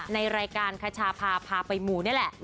ในรายการคชาพาพาไปหมู่นี่แหละ